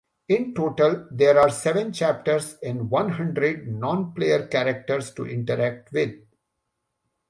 In total there are seven chapters and one hundred non-player characters to interact with.